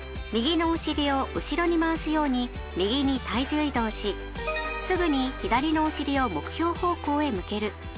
右のお尻を後ろに回すように右に体重移動しすぐに左のお尻を目標方向へ向ける。